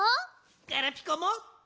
ガラピコも！